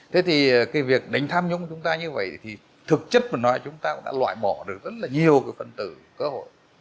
thế thì cái việc đánh tham nhũng của chúng ta như vậy thì thực chất mà nói chúng ta cũng đã loại bỏ được rất là nhiều cái phần tử cơ hội